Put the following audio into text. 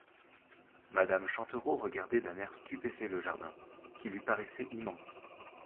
Madame Chantereau regardait d'un air stupéfait le jardin, qui lui paraissait immense.